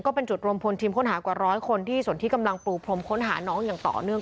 เป็นจุดรวมพลทีมค้นหากว่าร้อยคนที่ส่วนที่กำลังปูพรมค้นหาน้องอย่างต่อเนื่อง